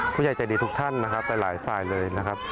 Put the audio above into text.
ผู้ใหญ่ใจดีทุกท่านนะครับแต่หลายสายเลยนะครับ